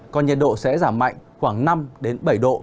còn nhiệt độ sẽ giảm mạnh khoảng năm bảy độ